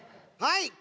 はい。